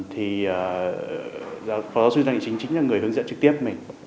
thì phó giáo sư tăng thị chính chính là người hướng dẫn trực tiếp mình